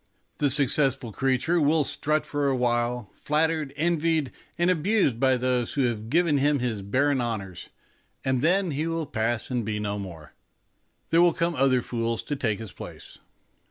The successful creature will strut for a while, flattered, envied, and abused by those who have given him his barren honours, and then he will pass and be no more. There will come other fools to take his place.